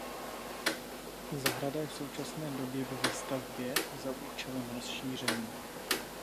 Zahrada je v současné době ve výstavbě za účelem rozšíření.